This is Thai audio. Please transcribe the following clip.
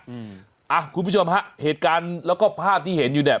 อืมอ่ะคุณผู้ชมฮะเหตุการณ์แล้วก็ภาพที่เห็นอยู่เนี่ย